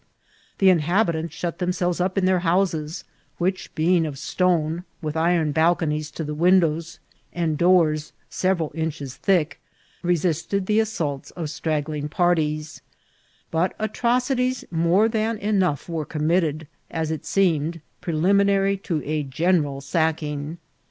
The Inhabitants shut themselves up in their houses, which, being built of stone, with iron balconies to the win^ dows, and doors several inches thick, resisted the as* saolts of straggling parties; but atrocities more than enough were conmiitted, as it seemed, preliminary to a general sacking.